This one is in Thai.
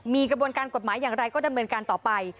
มีกระบวนการกฎหมายอย่างไรก็ดำเนินการต่อไป